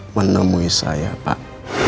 menemui saya pak